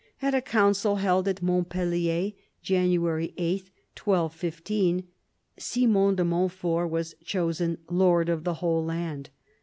At a council held at Montpellier, January 8, 1215, Simon de Montfort was chosen lord of the whole land.